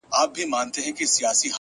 وخت د ټولو لپاره برابر شتمن دی!